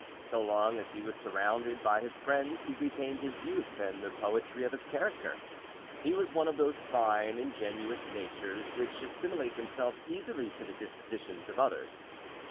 So long as he was surrounded by his friends he retained his youth and the poetry of his character. He was one of those fine, ingenuous natures which assimilate themselves easily to the dispositions of others.